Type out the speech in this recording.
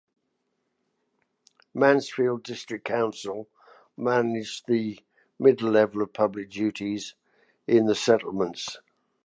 Mansfield District Council manage the middle level of public duties in the settlements.